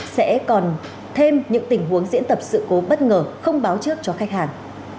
sẽ còn thêm những tình huống diễn tập sự cố bất ngờ không báo trước cho khách hàng